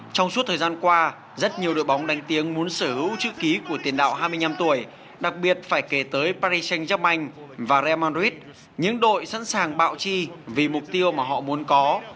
trong suốt thời gian qua rất nhiều đội bóng đánh tiếng muốn sở hữu chữ ký của tiền đạo hai mươi năm tuổi đặc biệt phải kể tới paris sainterman và real madrid những đội sẵn sàng bạo chi vì mục tiêu mà họ muốn có